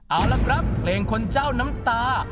เอาละครับเพลงคนเจ้าน้ำตา